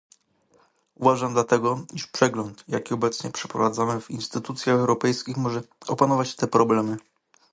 Uważam dlatego, iż przegląd, jaki obecnie przeprowadzamy w instytucjach europejskich pomoże opanować te problemy